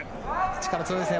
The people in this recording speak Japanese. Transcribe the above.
力強いですね。